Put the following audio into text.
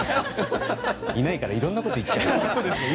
いないからいろんなこと言っちゃう。